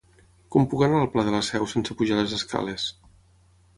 Com puc anar al Pla de la Seu sense pujar les escales?